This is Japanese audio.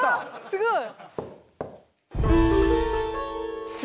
すごい！